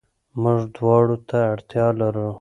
موږ دواړو ته اړتيا لرو.